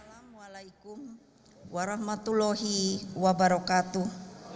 assalamualaikum warahmatullahi wabarakatuh